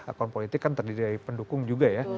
akun politik kan terdiri dari pendukung juga ya